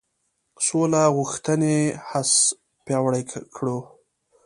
سوله غوښتنې حس پیاوړی کړو.